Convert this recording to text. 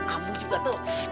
amu juga tuh tesudi